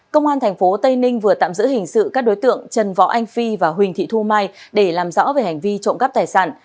công an tp tây ninh vừa tạm giữ hình sự các đối tượng trần võ anh phi và huỳnh thị thu mai để làm rõ về hành vi trộm cắp tài sản